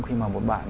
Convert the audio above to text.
khi mà một bạn